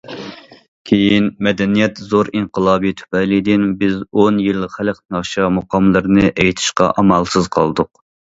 كېيىن‹‹ مەدەنىيەت زور ئىنقىلابى›› تۈپەيلىدىن، بىز ئون يىل خەلق ناخشا، مۇقاملىرىنى ئېيتىشقا ئامالسىز قالدۇق.